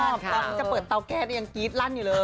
ตอนที่จะเปิดเตาแก้นี่ยังกรี๊ดลั่นอยู่เลย